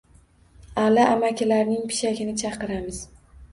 Ali amakilarning pishagini chaqiramiz.